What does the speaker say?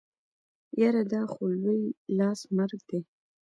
يره دا خو لوی لاس مرګ دی.